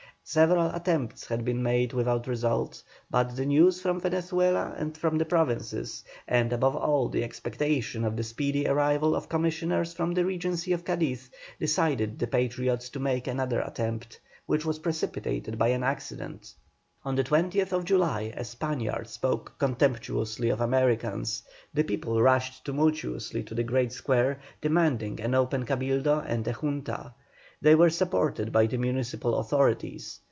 Several attempts had been made without result, but the news from Venezuela and from the provinces, and above all the expectation of the speedy arrival of commissioners from the Regency of Cadiz, decided the Patriots to make another attempt, which was precipitated by an incident. On the 20th July a Spaniard spoke contemptuously of Americans; the people rushed tumultuously to the great square, demanding an open Cabildo and a Junta. They were supported by the municipal authorities.